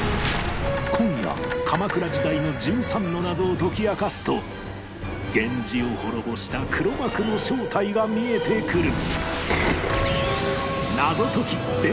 今夜鎌倉時代の１３の謎を解き明かすと源氏を滅ぼした黒幕の正体が見えてくる！